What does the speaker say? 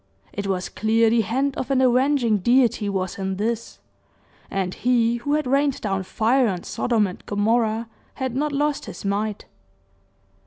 It was clear the hand of an avenging Deity was in this, and He who had rained down fire on Sodom and Gomorrah had not lost His might.